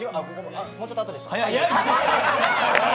もうちょっとあとでした？